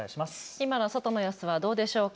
今の外の様子はどうでしょうか。